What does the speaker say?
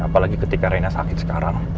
apalagi ketika reina sakit sekarang